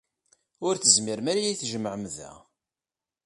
Ur tezmirem ara ad iyi-tjemɛem da.